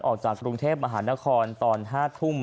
ออกจากกรุงเทพมหานครตอน๕ทุ่ม